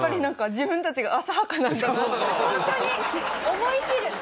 思い知る。